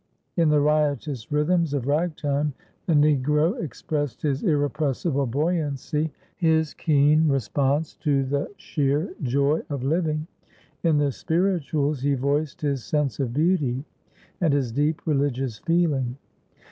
In the riotous rhythms of Ragtime the Negro expressed his irrepressible buoyancy, his keen response to the sheer joy of living; in the "spirituals" he voiced his sense of beauty and his deep religious feeling.